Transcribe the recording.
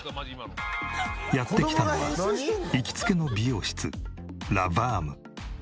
やって来たのは行きつけの美容室ラ・ヴァーム。